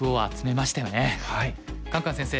カンカン先生